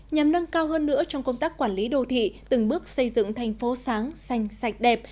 nhằm nâng cao hơn nữa trong công tác quản lý đô thị từng bước xây dựng thành phố sáng xanh sạch đẹp